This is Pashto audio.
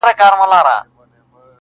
د وخت ناخوالي كاږم.